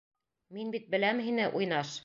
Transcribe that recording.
Мин бит беләм һине, уйнаш!